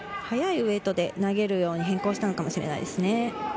速いウエイトで投げるように変更したのかもしれないですね。